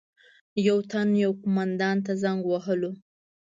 یو تن یو قومندان ته زنګ وهلو.